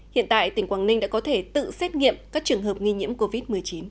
hiện tại tỉnh quảng ninh đã có thể tự xét nghiệm các trường hợp nghi nhiễm covid một mươi chín